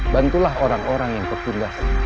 bantulah orang orang yang bertugas